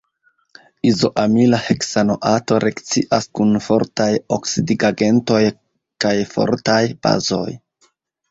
Izoamila heksanoato reakcias kun fortaj oksidigagentoj kaj fortaj bazoj.